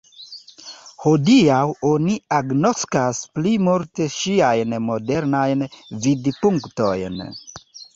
Hodiaŭ oni agnoskas pli multe ŝiajn modernajn vidpunktojn.